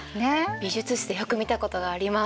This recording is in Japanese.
美術室でよく見たことがあります。